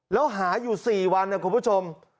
แล้วหาอยู่๔วันนะคุณผู้ชม